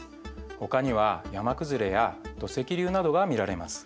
ほかには山崩れや土石流などが見られます。